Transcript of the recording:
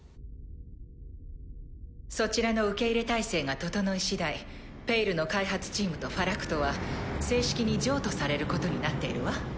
そちらの受け入れ態勢が整いしだい「ペイル」の開発チームとファラクトは正式に譲渡されることになっているわ。